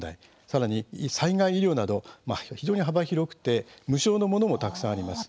さらに、災害医療など非常に幅広くて無償のものもたくさんあります。